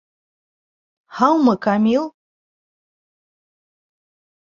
Һаумы, Камил!